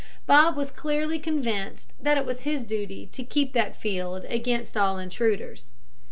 Bob was clearly convinced that it was his duty to keep that field against all intruders.